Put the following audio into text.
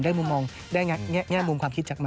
มุมมองได้แง่มุมความคิดจากมัน